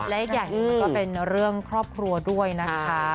และอีกอย่างหนึ่งมันก็เป็นเรื่องครอบครัวด้วยนะคะ